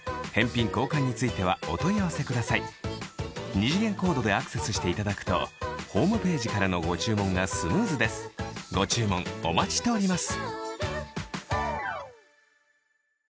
二次元コードでアクセスしていただくとホームページからのご注文がスムーズですご注文お待ちしております